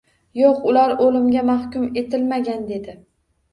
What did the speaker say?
— Yo‘q, ular o‘limga mahkum etilmagan, — dedi